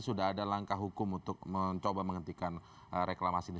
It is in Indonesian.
sudah ada langkah hukum untuk mencoba menghentikan reklamasi ini